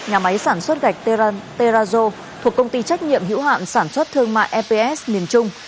nhà máy sản xuất gạch teran terajo thuộc công ty trách nhiệm hữu hạn sản xuất thương mại eps miền trung